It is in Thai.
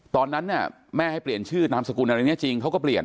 ตอนนั้นเนี่ยแม่ให้เปลี่ยนชื่อนามสกุลอะไรเนี่ยจริงเขาก็เปลี่ยน